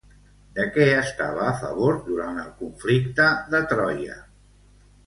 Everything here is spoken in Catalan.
De què estava a favor durant el conflicte de Troia?